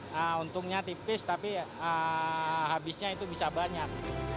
nah untungnya tipis tapi habisnya itu bisa banyak